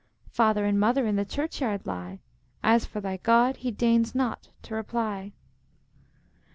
"Father and Mother in the churchyard lie. As for thy God, he deigns not to reply."